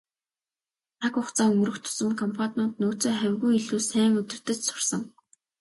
Цаг хугацаа өнгөрөх тусам компаниуд нөөцөө хавьгүй илүү сайн удирдаж сурсан.